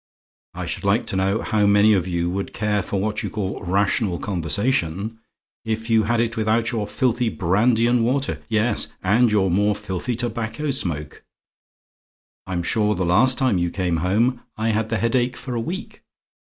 I should like to know how many of you would care for what you call rational conversation, if you had it without your filthy brandy and water; yes, and your more filthy tobacco smoke. I'm sure the last time you came home, I had the headache for a week.